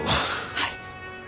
はい。